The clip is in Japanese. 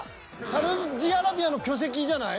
「サウジアラビアの巨石」じゃない？